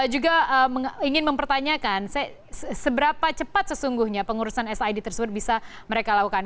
juga ingin mempertanyakan seberapa cepat sesungguhnya pengurusan sid tersebut bisa mereka lakukan